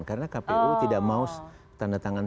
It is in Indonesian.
karena kpu tidak mau tanda tangan